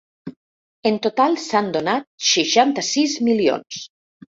En total s’han donat seixanta-sis milions.